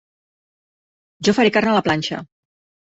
Jo faré carn a la planxa.